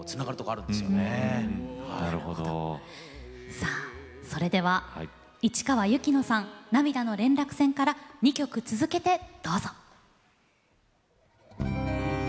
さあそれでは市川由紀乃さん「涙の連絡船」から２曲続けてどうぞ。